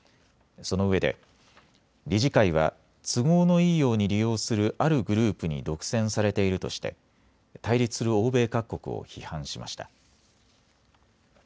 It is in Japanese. そのうえで、理事会は都合のいいように利用するあるグループに独占されているとして対立する欧米各国を批判しました。